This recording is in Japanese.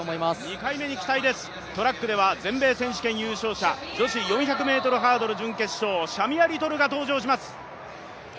２回目に期待です、トラックでは全米選手権優勝者、女子４００ｍハードル準決勝、シャミア・リトルが登場します。